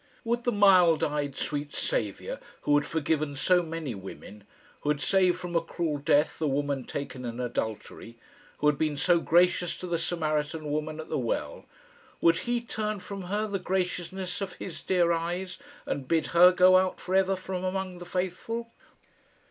Would the mild eyed, sweet Saviour, who had forgiven so many women, who had saved from a cruel death the woman taken in adultery, who had been so gracious to the Samaritan woman at the well would He turn from her the graciousness of His dear eyes, and bid her go out for ever from among the faithful?